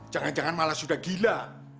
jangan jangan malah sudah gila